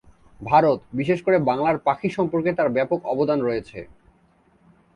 ভারত, বিশেষ করে বাংলার পাখি সম্পর্কে তার ব্যাপক অবদান রয়েছে।